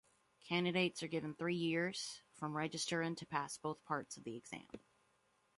Candidates are given three years from registering to pass both parts of the exam.